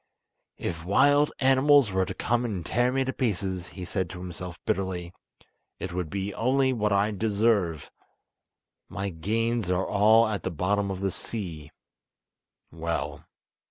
"If wild animals were to come and tear me to pieces," he said to himself bitterly, "it would be only what I deserve! My gains are all at the bottom of the sea—well!